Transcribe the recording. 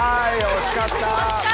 惜しかった。